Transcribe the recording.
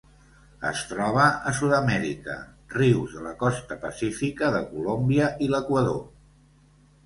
Es troba a Sud-amèrica: rius de la costa pacífica de Colòmbia i l'Equador.